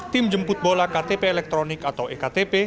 tim jemput bola ktp elektronik atau ektp